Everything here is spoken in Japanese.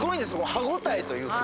歯応えというか。